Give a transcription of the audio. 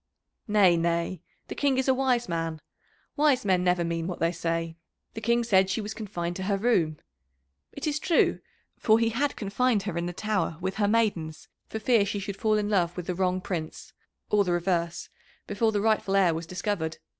"Nay, nay. The King is a wise man. Wise men never mean what they say. The King said she was confined to her room. It is true, for he had confined her in the Tower with her maidens for fear she should fall in love with the wrong Prince, or the reverse, before the rightful heir was discovered.